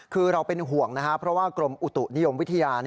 คือเราเป็นห่วงนะครับเพราะว่ากรมอุตุนิยมวิทยา